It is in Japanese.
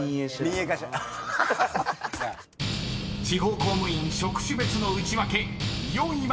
［地方公務員職種別のウチワケ４位は？］